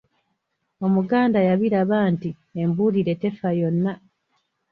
Omuganda yabiraba nti, "Embuulire tefa yonna"